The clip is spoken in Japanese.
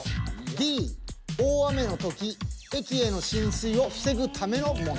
「Ｄ」大雨の時駅への浸水を防ぐためのもの。